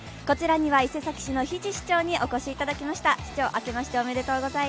こちらには伊勢崎市の臂市長にお越しいただきました。